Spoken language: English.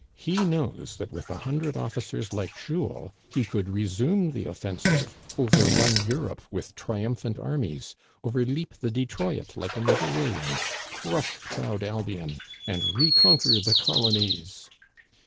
He knows that with a hundred officers like Jules he could resume the offensive, overrun Europe with triumphant armies, overleap the Detroit like an other William, crush proud Albion, and reconquer the colonies